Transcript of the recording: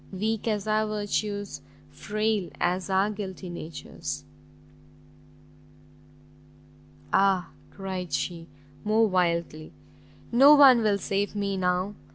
weak as our virtues, frail as our guilty natures!" "Ah," cried she, more wildly, "no one will save me now!